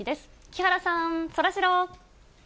木原さん、そらジロー。